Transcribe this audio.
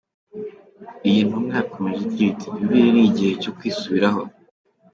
Iyi ntumwa yakomeje igira iti “Yubile ni igihe cyo kwisubiraho.